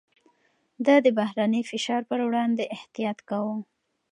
ده د بهرني فشار پر وړاندې احتياط کاوه.